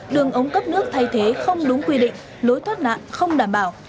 đường ống cấp nước thay thế không đúng quy định lối thoát nạn không đảm bảo